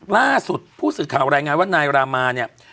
ล่าสุดผู้สื่อข่าวรายงานว่านายรามาเนี่ย